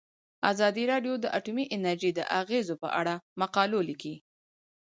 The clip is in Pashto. ازادي راډیو د اټومي انرژي د اغیزو په اړه مقالو لیکلي.